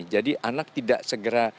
jadi anak tidak segera